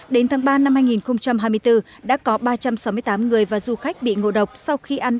đến tháng ba năm hai nghìn hai mươi bốn đã có ba trăm sáu mươi tám người và du khách bị ngộ độc sau khi ăn